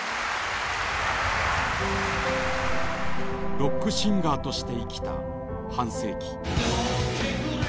ロックシンガーとして生きた半世紀。